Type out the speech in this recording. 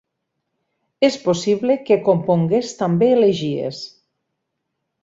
És possible que compongués també elegies.